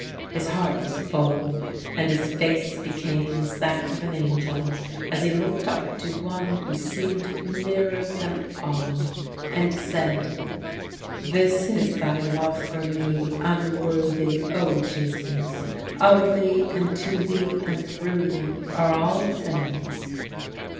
His heart was full, and his face became as that of an angel as he looked up to One who seemed nearer than all, and said, "This is thy love for me, unworthy, O Jesus. Of thee, and to thee, and through thee are all things.